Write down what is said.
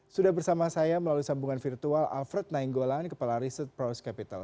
sudah bersama saya melalui sambungan virtual alfred nainggolan kepala riset proce capital